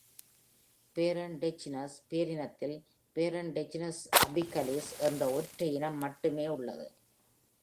"பேரன்டெச்சினஸ்" பேரினத்தில் "பேரன்டெச்சினஸ் அபிகலிஸ்" என்ற ஒற்றை இனம் மட்டுமே உள்ளது.